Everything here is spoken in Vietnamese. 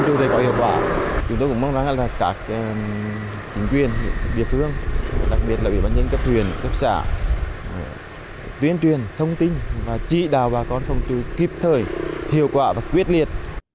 đặc biệt là bệnh nhân cấp thuyền cấp xã tuyên truyền thông tin và trị đào bà con phòng tư kịp thời hiệu quả và quyết liệt